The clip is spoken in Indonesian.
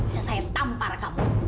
selesai tampar kamu